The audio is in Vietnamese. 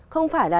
không phải là